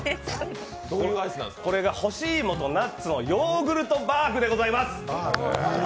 これが干し芋とナッツのヨーグルトバーグでございます。